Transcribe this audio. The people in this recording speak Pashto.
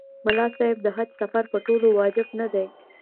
ملا صاحب د حج سفر په ټولو واجب نه دی.